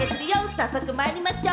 早速まいりましょう。